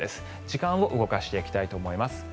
時間を動かしていきたいと思います。